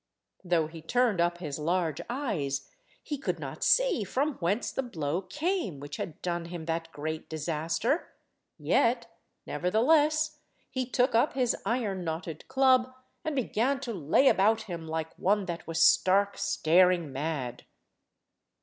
Though he turned up his large eyes, he could not see from whence the blow came which had done him that great disaster, yet, nevertheless, he took up his iron–knotted club, and began to lay about him like one that was stark staring mad.